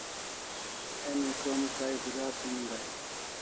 Emi krom kai gudas hin dai